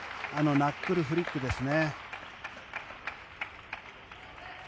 ナックルフリックですね。